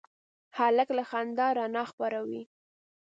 هلک له خندا رڼا خپروي.